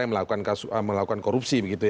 yang melakukan korupsi